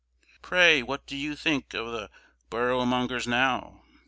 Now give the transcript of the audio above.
Pray what do you think of the Boroughmongers now?